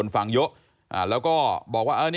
ฟังเยอะแล้วก็บอกว่า